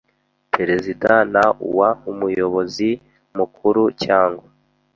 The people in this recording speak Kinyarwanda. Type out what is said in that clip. Perezida n uw Umuyobozi Mukuru cyangwa